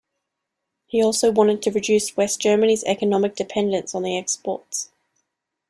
He also wanted to reduce West Germany's economic dependence on the exports.